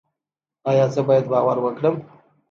ایا زه باید باور وکړم؟